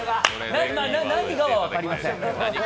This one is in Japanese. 何かは分かりません。